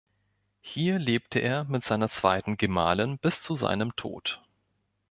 Hier lebte er mit seiner zweiten Gemahlin bis zu seinem Tod.